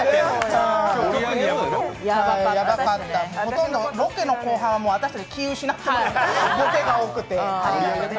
ほとんどロケの後半は私たち気を失ってました、ボケが多くて。